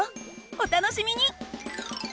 お楽しみに！